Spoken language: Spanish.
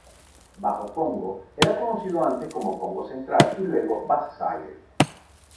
Bajo Congo era conocido antes como Kongo Central y luego Bas-Zaïre.